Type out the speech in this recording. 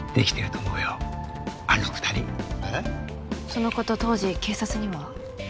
そのこと当時警察には？